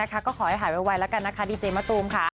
ขอให้หายไว้แบบกันดีเจมาเรา